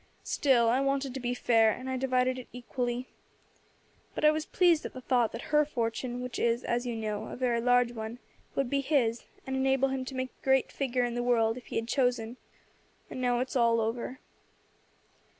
Still I wanted to be fair, and I divided it equally. But I was pleased at the thought that her fortune, which is, as you know, a very large one, would be his, and enable him to make a great figure in the world if he had chosen; and now it is all over.